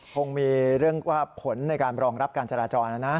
คงมีเรื่องว่าผลในการรองรับการจราจรนะนะ